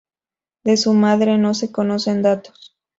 De su madre no se conocen datos.